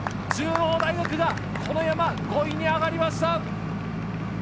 中央大学がこの山、５位に上がりました。